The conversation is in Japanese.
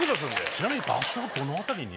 ちなみに場所どの辺りに？